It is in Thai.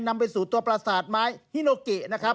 นำไปสู่ตัวประสาทไม้ฮิโนเกะนะครับ